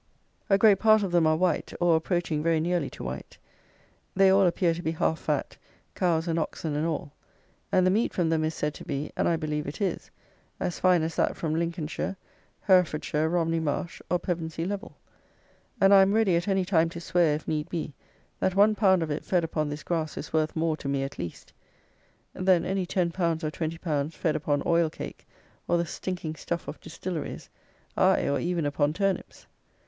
A great part of them are white, or approaching very nearly to white: they all appear to be half fat, cows and oxen and all; and the meat from them is said to be, and I believe it is, as fine as that from Lincolnshire, Herefordshire, Romney Marsh, or Pevensey Level; and I am ready, at any time, to swear, if need be, that one pound of it fed upon this grass is worth more, to me at least, than any ten pounds or twenty pounds fed upon oil cake, or the stinking stuff of distilleries; aye, or even upon turnips.